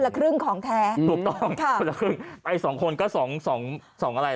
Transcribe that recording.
ละครึ่งของแท้ถูกต้องค่ะคนละครึ่งไปสองคนก็สองสองอะไร